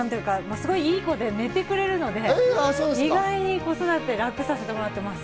すごいいい子で寝てくれるので意外に子育てで楽をさせてもらってます。